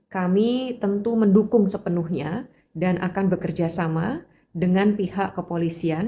kami tentu mendukung sepenuhnya dan akan bekerja sama dengan pihak kepolisian